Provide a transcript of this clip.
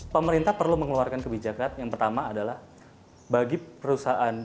pemerintah perlu mengeluarkan kebijakan yang pertama adalah bagi perusahaan